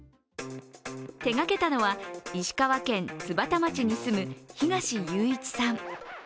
手がけたのは、石川県津幡町に住む東雄一さん。